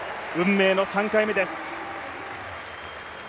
命の３回目です。